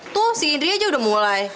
tuh si indri aja udah mulai